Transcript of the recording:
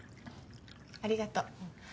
ありがとう。